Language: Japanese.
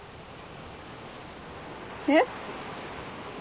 えっ？